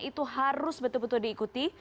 itu harus betul betul diikuti